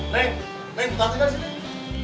neng nanti kan disini